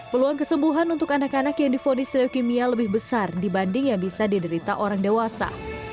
peluang kesembuhan untuk anak anak yang difonis leukemia lebih besar dibanding yang bisa diderita orang dewasa